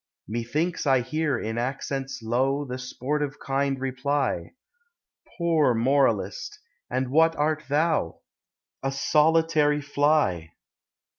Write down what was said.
Methinks I hear in accents low The sportive kind reply : Poor moralist! and what art thou? A solitary fly